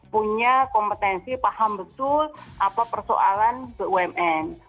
punya kompetensi paham betul apa persoalan bumn